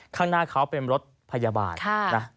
ข้างหน้าเขาเป็นรถพยาบาลนะ